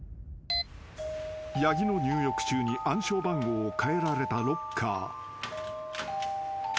［八木の入浴中に暗証番号を変えられたロッカー］